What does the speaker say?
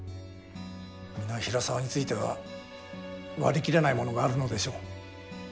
皆平沢については割り切れないものがあるのでしょう。